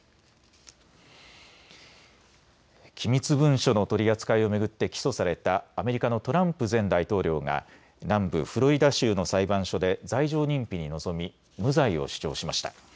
機密文書の取り扱いを巡って起訴されたアメリカのトランプ前大統領が南部フロリダ州の裁判所で罪状認否に臨み無罪を主張しました。